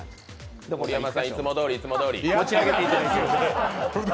盛山さん、いつもどおり、いつもどおり。